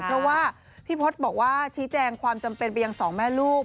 เพราะว่าพี่พศบอกว่าชี้แจงความจำเป็นไปยังสองแม่ลูก